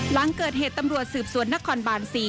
หลังเกิดเหตุตำรวจสืบสวนนครบาน๔